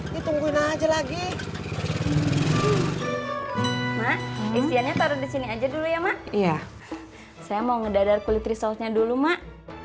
kita ke dadar kulit risosnya dulu mak